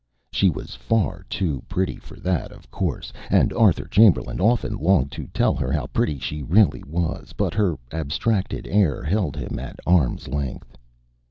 She was far too pretty for that, of course, and Arthur Chamberlain often longed to tell her how pretty she really was, but her abstracted air held him at arms' length.